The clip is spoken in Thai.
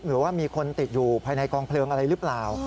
หรือว่ามีคนติดอยู่ภายในกองเพลิงอะไรหรือเปล่า